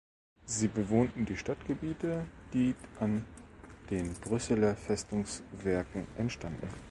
Sie bewohnten die Stadtgebiete, die an den „Brüsseler Festungswerken“ entstanden.